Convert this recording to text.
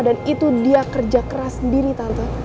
dan itu dia kerja keras sendiri tante